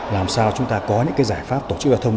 làm sao chúng ta có những cái giải pháp tổ chức giao thông